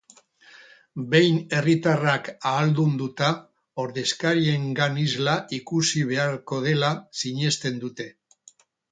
Behin herritarrak ahaldunduta, ordezkariengan isla ikusi beharko dela sinesten dute.